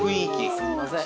すみません。